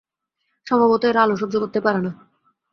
সম্ভবত এরা আলো সহ্য করতে পারে না।